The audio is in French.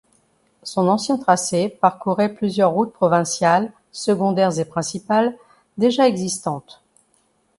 Son ancien tracé parcourait plusieurs routes provinciales secondaires et principales déjà existantes.